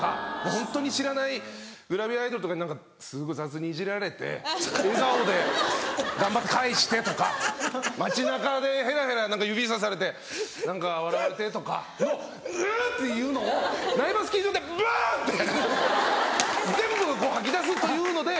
ホントに知らないグラビアアイドルとかにすごい雑にいじられて笑顔で頑張って返してとか街中でヘラヘラ指さされて何か笑われてとかのうぅ！っていうのを苗場スキー場でバン！って全部こう吐き出すっていうので。